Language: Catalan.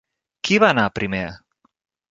Qui va anar primer?